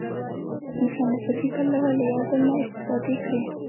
انسان له فکري پلوه له یو بل نه استفاده کړې.